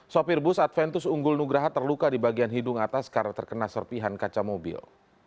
sopir bus adventus unggul nugraha terluka di bagian hidung atas karena terkena serpihan kaca mobil